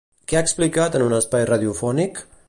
Què ha explicat en un espai radiofònic?